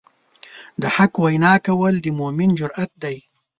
د حق وینا کول د مؤمن جرئت دی.